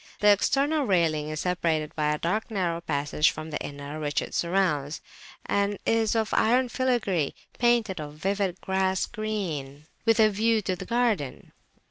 The external railing is separated by a dark narrow passage from the inner, which it surrounds; and is of iron filigree painted of a vivid grass green, with a view to the garden.